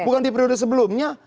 bukan di periode sebelumnya